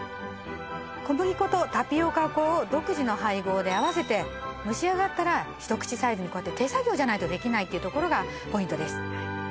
小麦粉とタピオカ粉を独自の配合で合わせて蒸し上がったら一口サイズにこうやって手作業じゃないとできないってところがポイントです